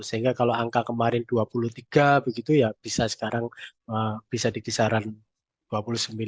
sehingga kalau angka kemarin dua puluh tiga begitu ya bisa sekarang bisa dikisaran dua puluh sembilan tiga puluh persenan